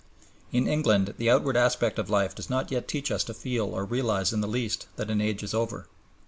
In England the outward aspect of life does not yet teach us to feel or realize in the least that an age is over.